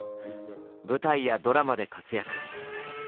舞台やドラマで活躍。